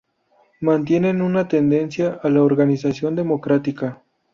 Mantienen una tendencia a la organización democrática.